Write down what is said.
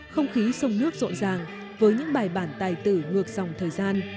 không khí sông nước rộn ràng với những bài bản tài tử ngược dòng thời gian